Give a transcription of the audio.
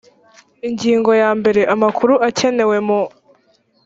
ingingo ya mbere amakuru akenewe mu